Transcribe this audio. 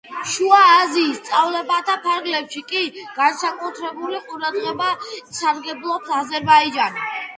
შუა აზიის სწავლებათა ფარგლებში კი განსაკუთრებული ყურადღებით სარგებლობს აზერბაიჯანი.